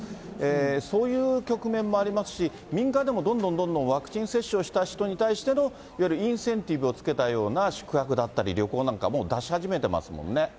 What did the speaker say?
そういう局面もありますし、民間でもどんどんどんどんワクチン接種をした人に対しての、いわゆるインセンティブをつけた宿泊だったり、旅行なんかも出し始めてますもんね。